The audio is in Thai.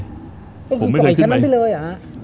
โอเคปล่อยแค่นั้นไปเลยหรอ